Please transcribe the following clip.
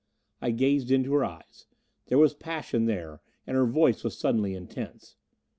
I gazed into her eyes. There was passion there; and her voice was suddenly intense.